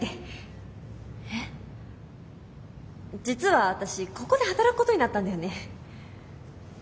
実は私ここで働くことになったんだよね。